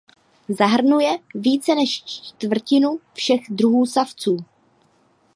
Zahrnuje více než čtvrtinu všech druhů savců.